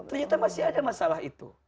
ternyata masih ada masalah itu